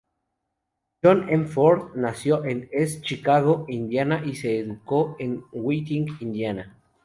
John M. Ford nació en East Chicago, Indiana y se educó en Whiting, Indiana.